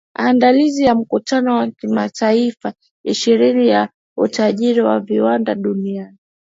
aandalizi ya mkutano wa mataifa ishirini ya utajiri wa viwanda duniani